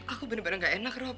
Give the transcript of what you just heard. aku bener bener nggak enak rob